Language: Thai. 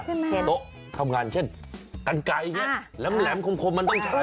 ใช่ไหมโต๊ะทำงานเช่นกันไกลอย่างเงี้ยอ่าแหลมคมมันต้องใช้อ่ะ